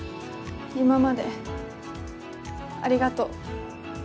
今までありがとう。